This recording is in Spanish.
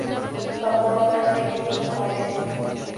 Japón ha seguido su modelo.